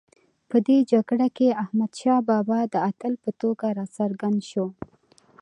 په دې جګړه کې احمدشاه بابا د اتل په توګه راڅرګند شو.